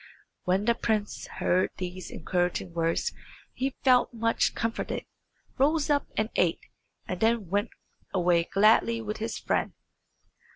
When the prince heard these encouraging words he felt much comforted, rose up, and ate, and then went away gladly with his friend.